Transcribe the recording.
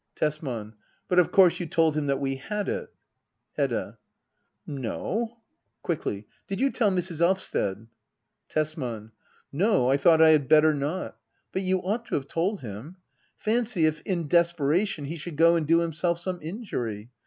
Tesman. But of course you told him that we had it ? Hedda. No. [Quickli^.] Did you tell Mrs. Elvsted ? Tesman. No ; I thought I had better not. But you ought to have told him. Fancy, if, in desperation, he should go and do himself some injury